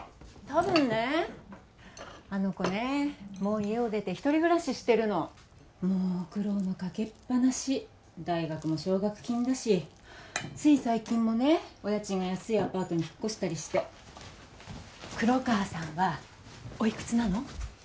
多分ねあの子ねもう家を出て１人暮らししてるのもう苦労のかけっぱなし大学も奨学金だしつい最近もねお家賃が安いアパートに引っ越したりして黒川さんはおいくつなの？